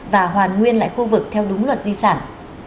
và hoàn nguyên lại khu vực theo đúng luật di sản